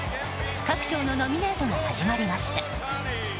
各賞のノミネートが始まりました。